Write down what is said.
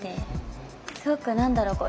すごく何だろう